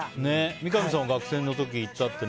三上さんは学生の時に行ったってね。